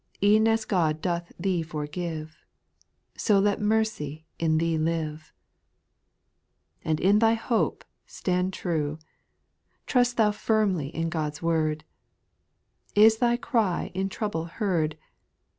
E'en as God doth thee forgive. So let mercy in thee live. 6 And in thy hope stand true I Trust thou firmly in God's word I Is thy cry in trouble heard.